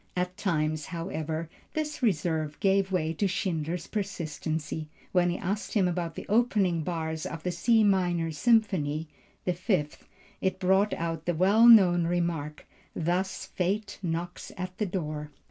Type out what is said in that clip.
At times, however, this reserve gave way to Schindler's persistency. When he asked him about the opening bars of the C minor Symphony (the Fifth) it brought out the well known remark, "thus fate knocks at the door."